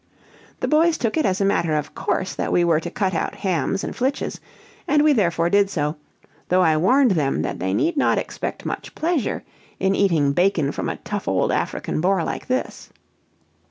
The boys took it as a matter of course that we were to cut out hams and flitches; and we therefore did so, though I warned them that they need not expect much pleasure in eating bacon from a tough old African boar like this.